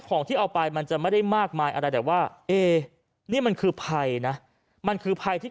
ของที่เอาไปมันจะไม่ได้มากมายอะไรแต่ว่าเอ๊นี่มันคือภัยนะมันคือภัยที่